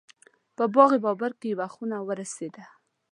په باغ بابر کې یوه خونه ورسېده.